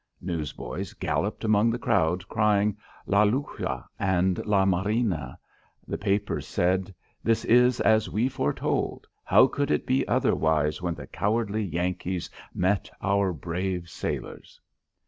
Newsboys galloped among the crowd crying La Lucha and La Marina. The papers said: "This is as we foretold. How could it be otherwise when the cowardly Yankees met our brave sailors?"